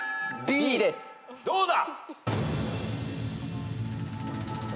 どうだ？